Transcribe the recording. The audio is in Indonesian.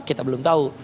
kita belum tahu